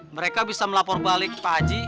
mereka bisa melapor balik ke paji